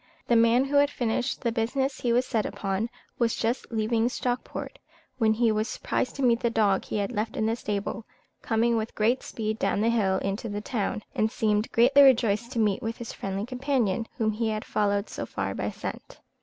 The man, who had finished the business he was sent upon, was just leaving Stockport, when he was surprised to meet the dog he had left in the stable, coming with great speed down the hill into the town, and seemed greatly rejoiced to meet with his friendly companion, whom he had followed so far by scent.